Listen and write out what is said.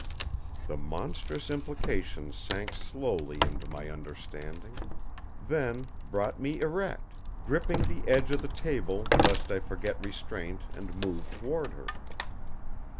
The monstrous implication sank slowly into my understanding; then brought me erect, gripping the edge of the table lest I forget restraint and move toward her.